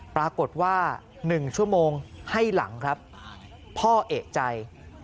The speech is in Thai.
ปรากฏว่า๑ชั่วโมงให้หลังครับพ่อเอกใจ